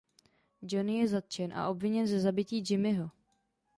Johnny je zatčen a obviněn ze zabití Jimmyho.